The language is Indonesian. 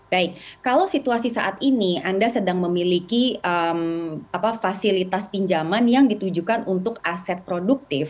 baik kalau situasi saat ini anda sedang memiliki fasilitas pinjaman yang ditujukan untuk aset produktif